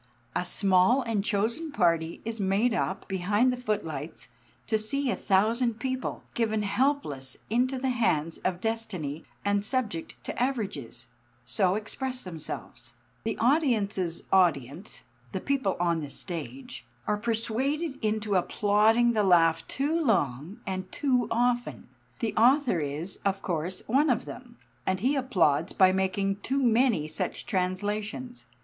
A small and chosen party is made up, behind the footlights, to see a thousand people, given helpless into the hands of destiny and subject to averages, so express themselves. The audience's audience (the people on the stage) are persuaded into applauding the laugh too long and too often. The author is, of course, one of them, and he applauds by making too many such translations.